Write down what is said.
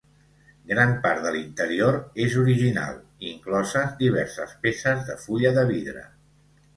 Gran part de l'interior és original, incloses diverses peces de fulla de vidre.